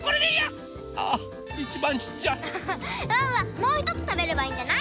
もうひとつたべればいいんじゃない？